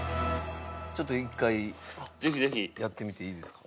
ちょっと１回やってみていいですか？